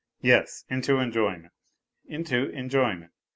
Yes, into enjoyment, into enjoyment